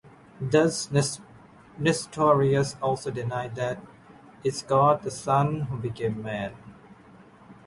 Thus, Nestorius also denied that it is God the Son who became man.